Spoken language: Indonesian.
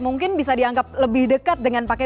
mungkin bisa dianggap lebih dekat dengan pakai